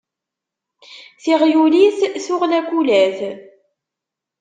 Tiγyulit tuγ lakulat.